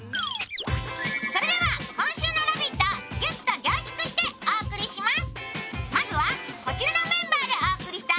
それでは今週の「ラヴィット！」をギュッと凝縮してお送りします！